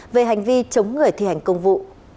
về hành vi chống người thi hành công vụ